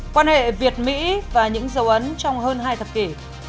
quan hệ việt mỹ và những dấu ấn trong hơn hai thập kỷ